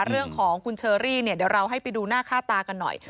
เรื่องของคุณเชอรี่เนี่ยเดี๋ยวเราให้ไปดูหน้าค่าตากันหน่อย